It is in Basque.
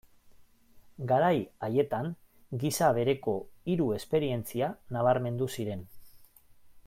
Garai haietan gisa bereko hiru esperientzia nabarmendu ziren.